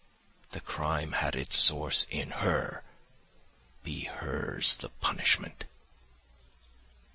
The crime had its source in her; be hers the punishment!